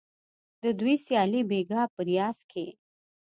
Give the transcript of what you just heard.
د دوی سیالي بیګا په ریاض کې